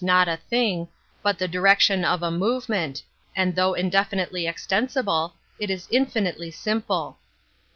[not a thing, but the direction of a move ment, and though indefinitely extensible»_it , is infinitely simple.